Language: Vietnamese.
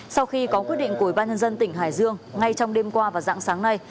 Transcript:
sau khi có quyết định của ủy ban nhân dân tỉnh hải dương ngay trong đêm qua và dạng sáng nay